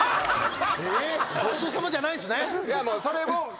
ええっごちそうさまじゃないんすね。